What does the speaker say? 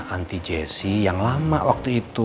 anti jesse yang lama waktu itu